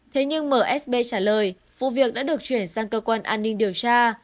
thế nhưng msb trả lời vụ việc đã được chuyển sang cơ quan an ninh điều tra